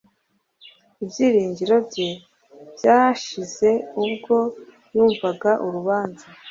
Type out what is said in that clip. ibyiringiro bye byashize ubwo yumvaga urubanza.